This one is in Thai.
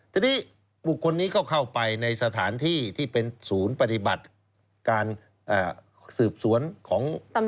ทีนี้บุคคลนี้ก็เข้าไปในสถานที่ที่เป็นศูนย์ปฏิบัติการสืบสวนของตำรวจ